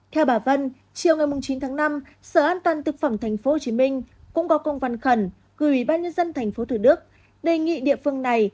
theo bà vân chiều ngày chín tháng năm sở an toàn thực phẩm tp hcm cũng có công văn khẩn gửi ubnd tp hcm đề nghị địa phương này